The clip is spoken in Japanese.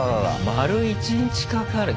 丸１日かかる。